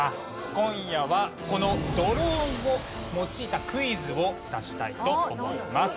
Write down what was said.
今夜はこのドローンを用いたクイズを出したいと思います。